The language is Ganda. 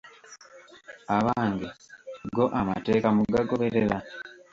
Abange, go amateeka mugagoberera?